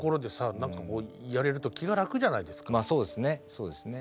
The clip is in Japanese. そうですね。